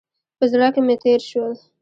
په زړه کې مې تېر شول.